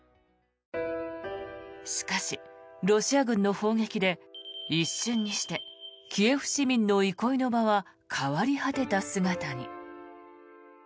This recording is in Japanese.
しかし、ロシア軍の砲撃で一瞬にしてキエフ市民の憩いの場は変わり果てた姿に。